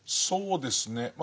そうですね。